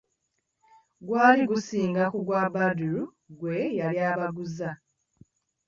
Gwali gusinga ku gwa Badru gwe yali abaguza!